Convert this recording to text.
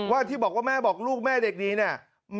ที่บอกว่าแม่บอกลูกแม่เด็กนี้เนี่ย